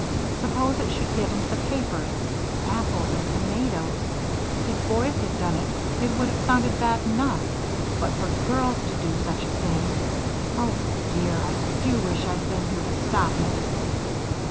Suppose it should get into the papers! Apples and tomatoes! If boys had done it it would have sounded bad enough, but for girls to do such a thing! Oh, dear, I do wish I'd been here to stop it!"